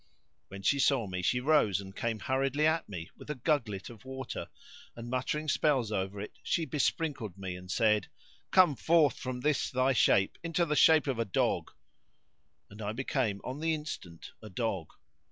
When she saw me, she rose and came hurriedly at me with a gugglet[FN#58] of water; and, muttering spells over it, she besprinkled me and said, "Come forth from this thy shape into the shape of a dog;" and I became on the instant a dog.